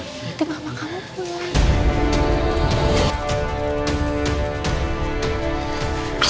itu mama kamu belum